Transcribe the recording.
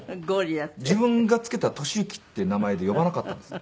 自分が付けた年之って名前で呼ばなかったんです。